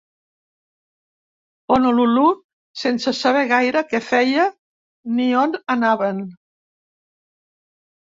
Honolulu, sense saber gaire què feia ni on anaven.